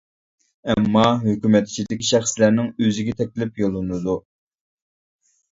ئەمما ھۆكۈمەت ئىچىدىكى شەخسلەرنىڭ ئۆزىگە تەكلىپ يوللىنىدۇ.